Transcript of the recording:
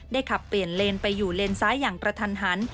ขับเปลี่ยนเลนไปอยู่เลนซ้ายอย่างกระทันหัน